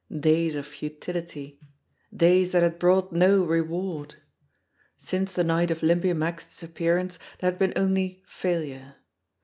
Days of futility ! Days that had brought no reward! Since the night of Limpy Mack's disappearance there had been only failure.